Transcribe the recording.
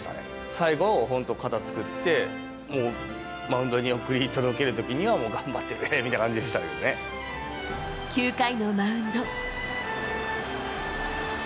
最後は、本当、肩作って、もうマウンドに送り届けるときにはもう頑張ってくれみたいな感じ９回のマウンド。